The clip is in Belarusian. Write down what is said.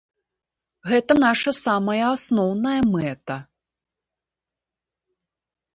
Гэта наша самая асноўная мэта.